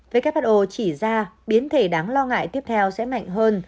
who chỉ ra biến thể đáng lo ngại tiếp theo sẽ mạnh hơn